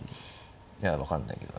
いや分かんないけど。